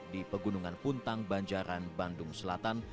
di pegunungan puntang banjaran bandung selatan